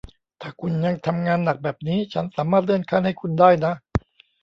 ถ้าคุณยังทำงานหนักแบบนี้ ฉันสามารถเลื่อนขั้นให้คุณได้นะ